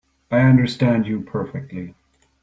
I understand you perfectly.